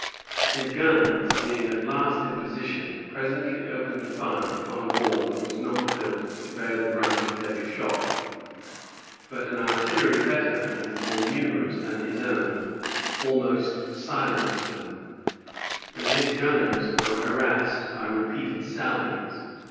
His guns, being at last in position, presently opened fire upon a wall that was not built to bear the brunt of heavy shot; but an artillery better and more numerous than his own almost silenced them, and his gunners were harassed by repeated sallies.